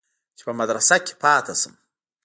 چې په مدرسه کښې پاته سم.